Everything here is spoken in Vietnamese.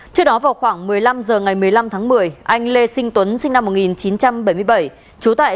trước đó vào khoảng một mươi năm h ngày một mươi năm tháng một mươi anh lê sinh tuấn sinh năm một nghìn chín trăm bảy mươi bảy trú tại